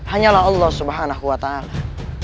hanyalah allah subhanahu wa ta'ala